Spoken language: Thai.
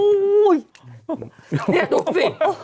นี่ดูสิ